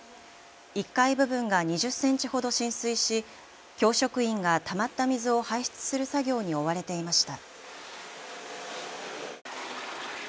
１階部分が２０センチほど浸水し教職員がたまった水を排出する作業に追われていました。